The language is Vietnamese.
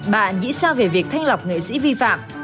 bạn nghĩ sao về việc thanh lọc nghệ sĩ vi phạm